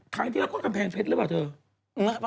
ทางที่เราก็ควรกำแพงเพชรหรือเปล่าเธอ